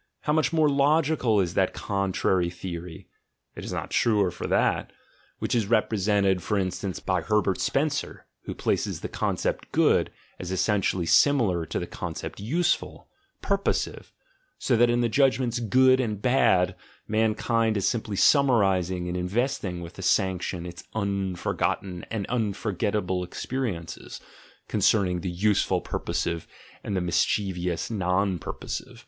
How much more logical is that contrary theory (it is not the truer for that) which 6 THE GENEALOGY OF MORALS is represented, for instance, by Herbert Spencer, who places the concept "good" as essentially similar to the concept "useful," "purposive," so that in the judgments "good" and "bad" mankind is simply summarising and investing with a sanction its unforgotten and unforget table experiences concerning the "useful purposive" and the "mischievous non purposive."